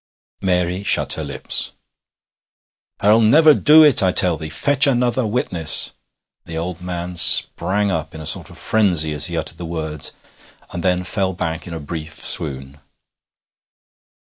Mary shut her lips. 'Her'll never do it. I tell thee, fetch another witness.' The old man sprang up in a sort of frenzy as he uttered the words, and then fell back in a brief swoon.